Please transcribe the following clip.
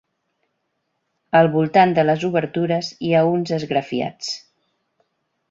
Al voltant de les obertures hi ha uns esgrafiats.